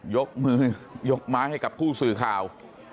ยกมือยกไม้ให้กับผู้สื่อข่าว